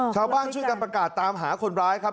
ช่วยกันประกาศตามหาคนร้ายครับ